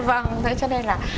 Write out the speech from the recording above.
vâng thế cho nên là